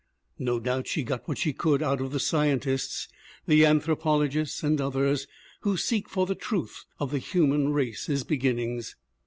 No doubt she got what she could out of the scientists, the anthropolo gists and others who seek for the truth of the human race's beginnings.